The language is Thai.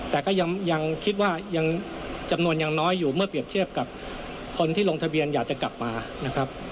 แต่ก็ยังคิดว่ายังจำนวนยังน้อยอยู่เมื่อเปรียบเทียบกับคนที่ลงทะเบียนอยากจะกลับมานะครับ